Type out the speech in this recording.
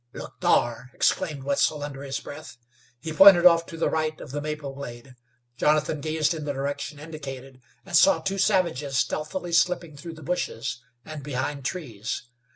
"Look thar!" exclaimed Wetzel, under his breath. He pointed off to the right of the maple glade. Jonathan gazed in the direction indicated, and saw two savages stealthily slipping through the bushes, and behind trees.